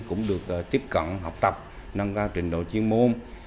cũng được tiếp cận học tập nâng cao trình độ chuyên môn